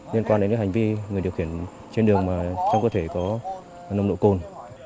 liên quan đến những hành vi người điều khiển trên đường trong cơ thể có nồng độ cồn